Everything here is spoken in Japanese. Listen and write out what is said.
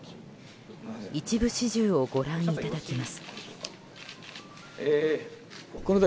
一部始終をご覧いただきます。